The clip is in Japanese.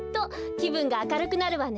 きぶんがあかるくなるわね。